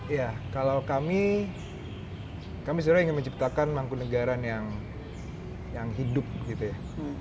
iya kalau kami kami sebenarnya ingin menciptakan mangkunegaran yang hidup gitu ya